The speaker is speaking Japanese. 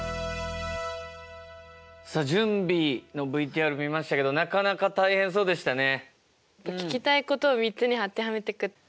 さあ準備のＶＴＲ見ましたけどなかなか大変そうでしたね。